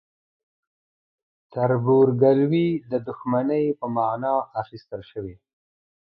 تربورګلوي د دښمنۍ په معنی اخیستل شوی.